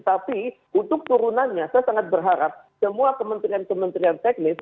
tapi untuk turunannya saya sangat berharap semua kementerian kementerian teknis